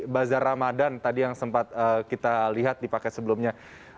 bazar ramadhan tadi yang sempat kita lihat dipakai sebelumnya